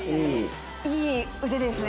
いい腕ですね